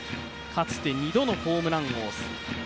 かつて２度のホームラン王。